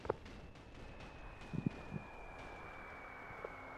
এরপর সংযুক্ত আরব আমিরাত থেকে পাকিস্তানের সঙ্গে সিরিজ ড্র করে ফেরা।